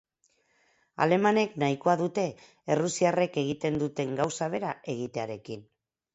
Alemanek nahikoa dute errusiarrek egiten duten gauza bera egitearekin.